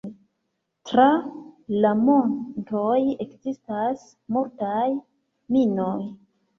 Tra la montoj ekzistas multaj minoj.